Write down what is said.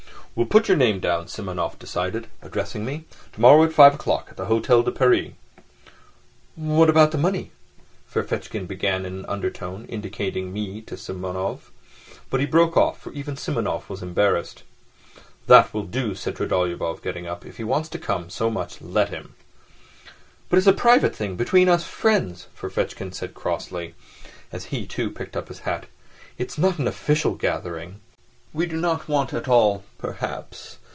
"We'll put your name down," Simonov decided, addressing me. "Tomorrow at five o'clock at the Hôtel de Paris." "What about the money?" Ferfitchkin began in an undertone, indicating me to Simonov, but he broke off, for even Simonov was embarrassed. "That will do," said Trudolyubov, getting up. "If he wants to come so much, let him." "But it's a private thing, between us friends," Ferfitchkin said crossly, as he, too, picked up his hat. "It's not an official gathering." "We do not want at all, perhaps